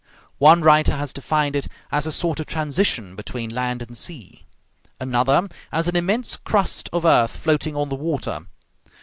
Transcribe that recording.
One writer has defined it as a sort of transition between land and sea. Another, as an immense crust of earth floating on the water.